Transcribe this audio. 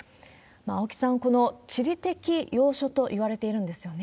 青木さん、この地理的要所といわれているんですよね。